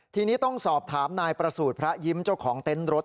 ทีนี้ต้องสอบถามนายประสูจน์พระยิ้มเจ้าของเต็นต์รถ